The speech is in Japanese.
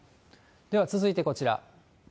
では続いてこちら。